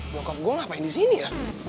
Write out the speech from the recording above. ngokap gue ngapain di sini ya